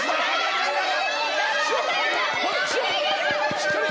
しっかり！